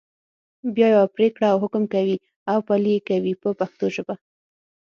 بیا یوه پرېکړه او حکم کوي او پلي یې کوي په پښتو ژبه.